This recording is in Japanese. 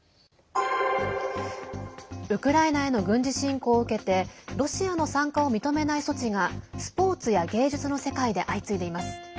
ウクライナへの軍事侵攻を受けてロシアの参加を認めない措置がスポーツや芸術の世界で相次いでいます。